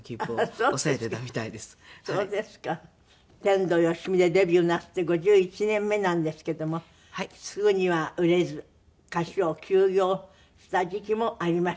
天童よしみでデビューなすって５１年目なんですけどもすぐには売れず歌手を休業した時期もありました。